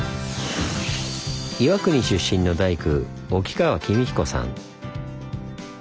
岩国出身の大工沖川公彦さん。